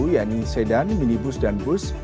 yakni sedan minibus dan bus